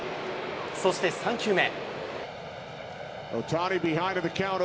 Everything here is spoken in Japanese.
そして３球目。